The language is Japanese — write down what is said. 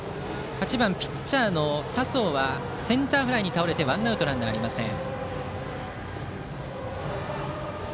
８番ピッチャーの佐宗はセンターフライに倒れワンアウトランナーありません。